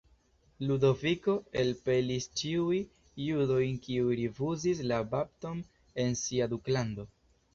Ludoviko elpelis ĉiuj judojn kiuj rifuzis la bapton en sia duklando.